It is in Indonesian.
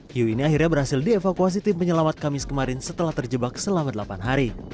hiu ini akhirnya berhasil dievakuasi tim penyelamat kamis kemarin setelah terjebak selama delapan hari